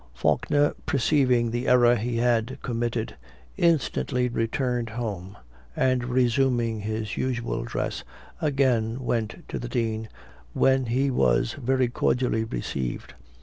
Faulkner, perceiving the error he had committed, instantly returned home, and resuming his usual dress, again went to the Dean, when he was very cordially received.